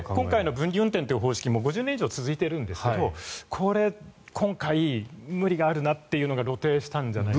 分離運転は５０年以上続いているんですが、今回無理があるなというのは露呈したんじゃないかと。